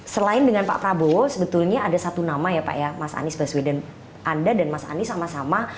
selain dengan pak prabowo sebetulnya ada satu nama ya pak ya mas anies baswedan anda dan mas anies sama sama